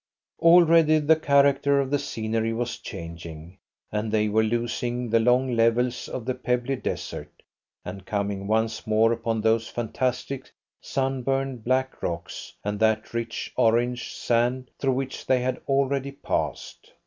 Already the character of the scenery was changing, and they were losing the long levels of the pebbly desert, and coming once more upon those fantastic, sunburned, black rocks, and that rich orange sand through which they had already passed.